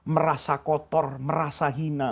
merasa kotor merasa hina